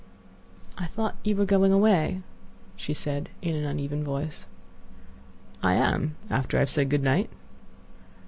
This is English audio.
"I thought you were going away," she said, in an uneven voice. "I am, after I have said good night."